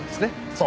そう。